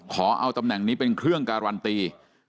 ขอเอาตำแหน่งนี้เป็นเครื่องการันตี